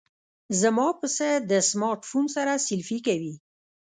زما پسه د سمارټ فون سره سیلفي کوي.